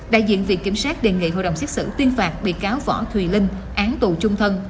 đại diện viện kiểm sát đề nghị hội đồng xét xử tuyên phạt bị cáo võ thùy linh án tù trung thân